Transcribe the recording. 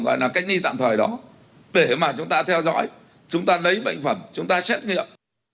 gọi là cách ly tạm thời đó để mà chúng ta theo dõi chúng ta lấy bệnh phẩm chúng ta xét nghiệm